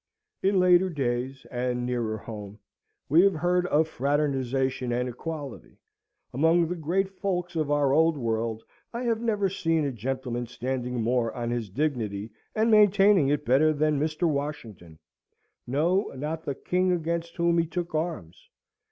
In later days, and nearer home, we have heard of fraternisation and equality. Amongst the great folks of our Old World I have never seen a gentleman standing more on his dignity and maintaining it better than Mr. Washington: no not the King against whom he took arms.